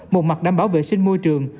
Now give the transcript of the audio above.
một mặt đảm bảo vệ sinh môi trường